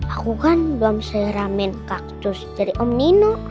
aku kan belom seramin kaktus dari om nino